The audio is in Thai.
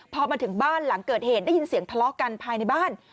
พอมาถึงบ้านหลังเกิดเหตุได้ยินเสียงทะเลาะกันภายในบ้าน